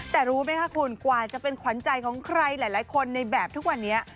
แต่รู้ไหมคะคุณกว่าจะเป็นขวัญใจของใครหลายคนในแบบทุกวันนี้